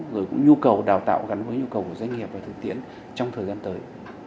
rồi cũng nhu cầu đào tạo gắn với nhu cầu của doanh nghiệp và thực tiễn trong thời gian tới